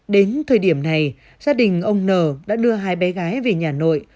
đến thời điểm này gia đình ông n đã đưa hai bé gái về nhà nội